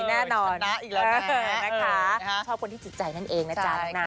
ไม่ได้จำเป็นอยู่ที่หน้าตาอะไร